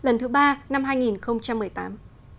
biên cương thắm tỉnh hữu nghị lần thứ ba năm hai nghìn một mươi tám